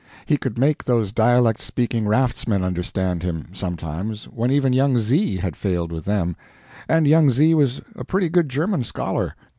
He could make those dialect speaking raftsmen understand him, sometimes, when even young Z had failed with them; and young Z was a pretty good German scholar.